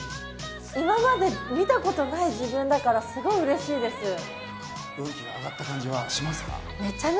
今まで、見たことない自分だからすごいうれしいです。